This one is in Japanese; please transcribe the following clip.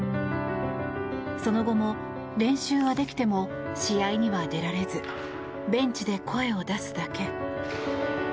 その後も練習はできても試合には出られずベンチで声を出すだけ。